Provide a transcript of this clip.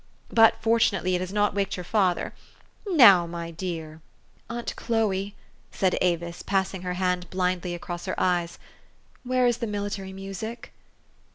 But, fortunately, it has not waked your father. Now, my dear !" u Aunt Chloe," said Avis, passing her hand blind ly across her eyes, " where is the military music?